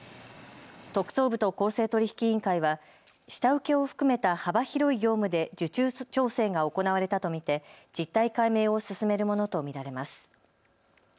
特捜部と公正取引委員会は下請けを含めた幅広い業務で受注調整が行われたと見て実態解明を進めるものと見られます。